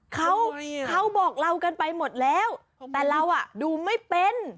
เขาเขาบอกเรากันไปหมดแล้วแต่เราอ่ะดูไม่เป็น